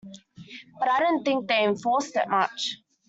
But I don't think they enforced it much.